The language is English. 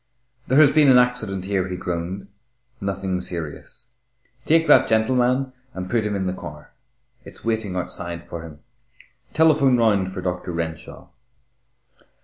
"There has been an accident here," he groaned, "nothing serious. Take that gentleman and put him in the car. It's waiting outside for him. Telephone round for Doctor Renshaw."